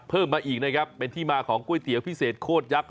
เพิ่มมาอีกนะครับเป็นที่มาของก๋วยเตี๋ยวพิเศษโคตรยักษ